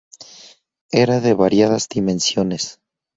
Era de variadas dimensiones.